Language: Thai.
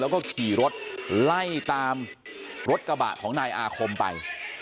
แล้วก็ขี่รถไล่ตามรถกระบะของนายอาคมไป